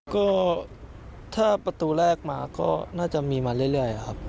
ก็ถ้าประตูแรกมาก็น่าจะมีมาเรื่อยครับ